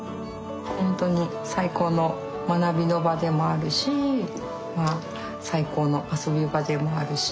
ほんとに最高の学びの場でもあるし最高の遊び場でもあるし。